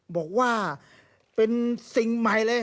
บอกว่าเป็นสิ่งใหม่เลย